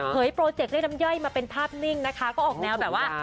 เผยโปรเจกต์เล่นดำเย้ยมาเป็นภาพนิ่งนะคะก็ออกแนวแบบว่า